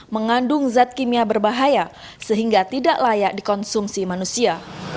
mengandung zat kimia berbahaya sehingga tidak layak dikonsumsi manusia